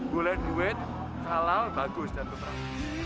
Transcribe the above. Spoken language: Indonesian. boleh duit halal bagus dan perang